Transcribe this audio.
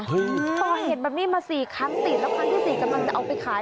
ก่อเหตุแบบนี้มา๔ครั้งติดแล้วครั้งที่๔กำลังจะเอาไปขาย